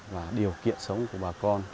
và điều kiện sống của bà con